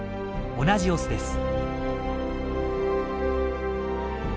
同じオスです。